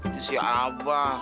itu si asma